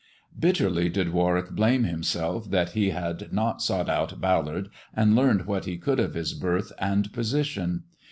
Bitterly did Warwick blame himself that he had not sought out Ballard and learned what he could of his birth and position.